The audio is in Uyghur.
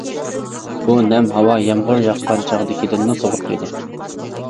بۇ نەم ھاۋا يامغۇر ياغقان چاغدىكىدىنمۇ سوغۇق ئىدى.